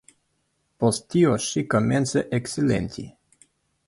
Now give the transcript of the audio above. Post tio ŝi komence eksilenti.